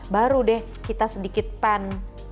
baru deh kita sedikit pan